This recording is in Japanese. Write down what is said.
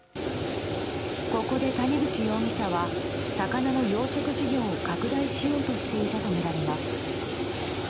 ここで谷口容疑者は魚の養殖事業を拡大しようとしていたとみられます。